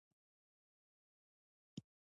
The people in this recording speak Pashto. وګړي د افغانستان یوه طبیعي ځانګړتیا ده.